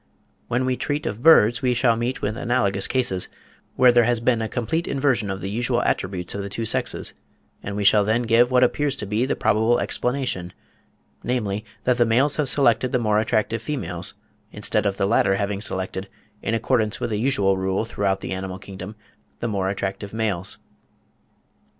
When we treat of birds we shall meet with analogous cases, where there has been a complete inversion of the usual attributes of the two sexes, and we shall then give what appears to be the probable explanation, namely, that the males have selected the more attractive females, instead of the latter having selected, in accordance with the usual rule throughout the animal kingdom, the more attractive males.